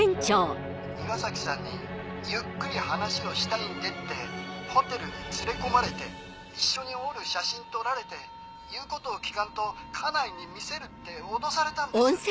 岩崎さんにゆっくり話をしたいんでってホテルに連れ込まれて一緒におる写真撮られて言うことを聞かんと家内に見せるって脅されたんです。